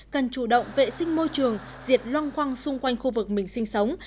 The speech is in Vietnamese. cần chủ động vệ sinh môi trường diệt loang quăng xung quanh khu vực mình sinh sống